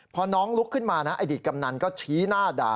พอน้องลุกขึ้นมานะอดีตกำนันก็ชี้หน้าด่า